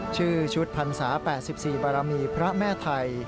ชื่อชุดพรรษา๘๔บารมีพระแม่ไทย